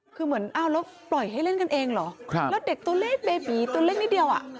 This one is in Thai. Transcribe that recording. คือเหมือนอ้าวแล้วปล่อยให้เล่นกันเองเหรอแล้วเด็กตัวเล็กเบบีตัวเล็กนิดเดียวอ่ะ